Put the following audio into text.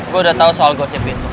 gue udah tau soal gosip itu